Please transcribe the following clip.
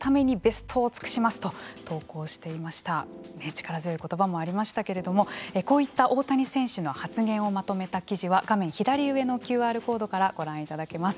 力強い言葉もありましたけれどもこういった大谷選手の発言をまとめた記事は画面左上のＱＲコードからご覧いただけます。